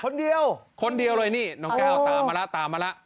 คนเดียวคนเดียวเลยนี่น้องแก้วตามมาแล้วตามมาแล้ว